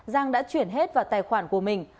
giang đã chuyển hết vào tài khoản của mình